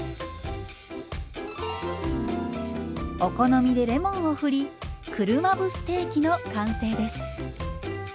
お好みでレモンをふり車麩ステーキの完成です。